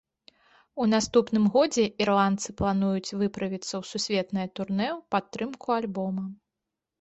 У наступным годзе ірландцы плануюць выправіцца ў сусветнае турнэ ў падтрымку альбома.